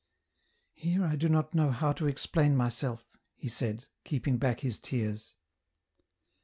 " Here I do not know how to explain myself," he said, keeping back his tears.